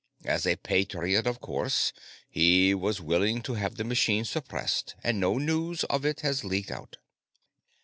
As a patriot, of course, he was willing to have the machine suppressed, and no news of it has leaked out."